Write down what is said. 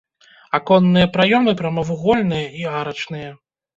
Аконныя праёмы прамавугольныя і арачныя.